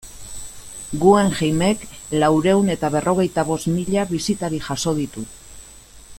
Guggenheimek laurehun eta berrogeita bost mila bisitari jaso ditu.